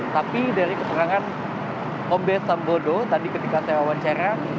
tapi dari keterangan kombes sambodo tadi ketika saya wawancara